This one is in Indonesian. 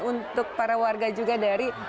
untuk para warga juga dari